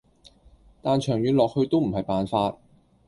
但長遠落去都唔係辦法